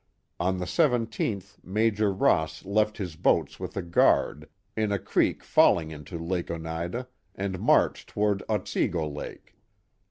On the ijih Major Rots Irit , his boats with a guard, in a creek falling into Lake Oneida, and , marched toward Olsego Lake.